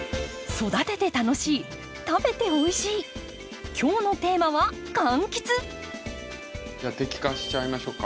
育てて楽しい食べておいしい今日のテーマはじゃあ摘果しちゃいましょうか。